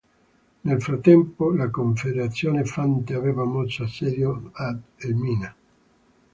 Nel frattempo, la Confederazione Fante aveva mosso assedio ad Elmina.